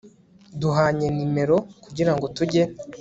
duhanye nimero kugirango tujye